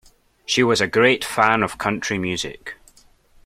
She was a great fan of country music